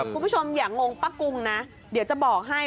คุณผู้ชมอย่างงงป้ากุงนะเดี๋ยวจะบอกให้